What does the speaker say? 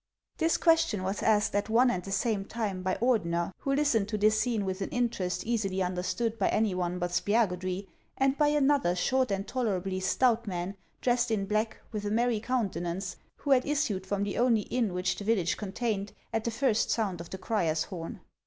" This question was asked at one and the same time by Ordener, who listened to this scene with an interest easily understood by any one but Spiagudry, and by another short and tolerably stout man, dressed in black, with a merry countenance, who had issued from the only inn 21(> HANS OF ICELAND. which the village contained, at the first sound of the crier's horn.